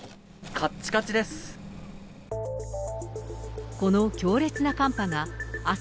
かっちかちです。